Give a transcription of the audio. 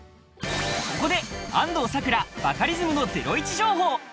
ここで安藤サクラ、バカリズムのゼロイチ情報。